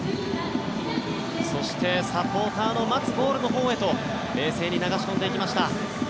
そして、サポーターの待つゴールのほうへと冷静に流し込んでいきました。